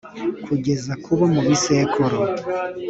kugeza ku bo mu bisekuru